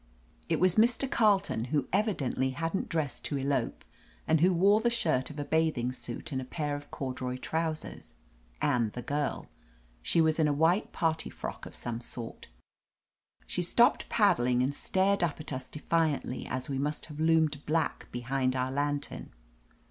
It was Mr. Carleton, who evidently hadn't dressed to elope, and who wore the shirt of a bathing suit and a pair of corduroy trousers, and the Girl. She was in a white party frock of some sort She stopped paddling and stared up at us defiantly as we must have loomed black behind our lantern.